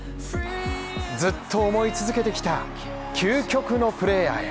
ずっと思い続けてきた究極のプレーヤーへ。